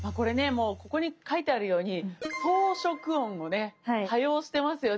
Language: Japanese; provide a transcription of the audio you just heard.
もうここに書いてあるように装飾音をね多用してますよね。